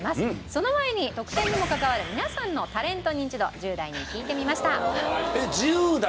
その前に得点にも関わる皆さんのタレントニンチド１０代に聞いてみました。